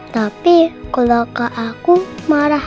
tapi kalo kak aku marah marah